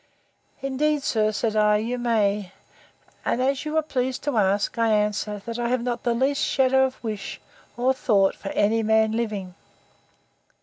Indeed, sir, said I, you may; and, as you was pleased to ask, I answer, that I have not the least shadow of a wish, or thought, for any man living.